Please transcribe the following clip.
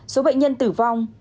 ba số bệnh nhân tử vong